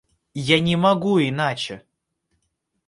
Я не могу иначе!